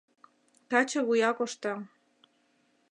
Каче вуя коштам...